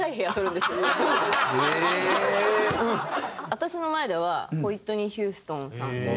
私の前ではホイットニー・ヒューストンさんとか。